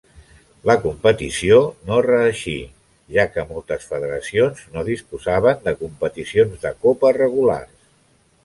La competició no reeixí, ja que moltes federacions no disposaven de competicions de Copa regulars.